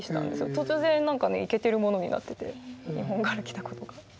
突然イケてるものになってて日本から来た事が。